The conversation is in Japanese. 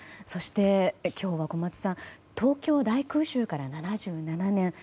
そして、今日は小松さん東京大空襲から７７年。